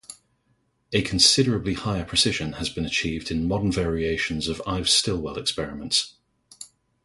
A considerably higher precision has been achieved in modern variations of Ives-Stilwell experiments.